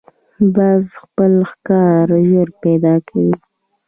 باز خپل ښکار ژر پیدا کوي